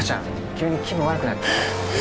急に気分悪くなって